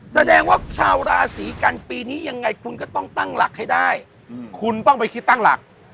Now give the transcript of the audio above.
แสดงว่าชาวราศีกันปีนี้ยังไงคุณก็ต้องตั้งหลักให้ได้คุณต้องไปคิดตั้งหลัก